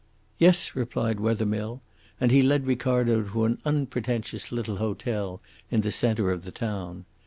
"Yes," replied Wethermill, and he led Ricardo to an unpretentious little hotel in the centre of the town.